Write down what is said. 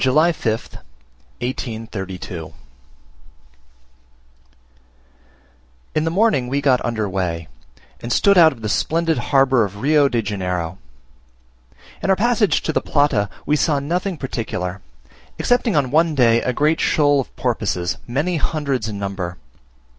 July 5th, 1832 In the morning we got under way, and stood out of the splendid harbour of Rio de Janeiro. In our passage to the Plata, we saw nothing particular, excepting on one day a great shoal of porpoises, many hundreds in number.